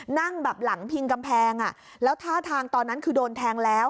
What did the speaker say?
นั่งแบบหลังพิงกำแพงแล้วท่าทางตอนนั้นคือโดนแทงแล้ว